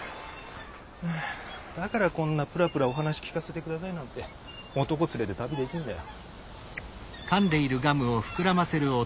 だからこんなプラプラお話聞かせてくださいなんて男連れて旅できんだよ。